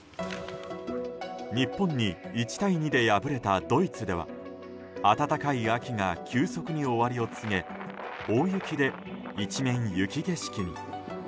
日本に１対２で敗れたドイツでは暖かい秋が急速に終わりを告げ大雪で一面雪景色に。